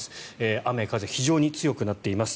雨風、非常に強くなっています。